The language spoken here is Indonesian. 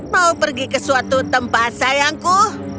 mau pergi ke suatu tempat sayangku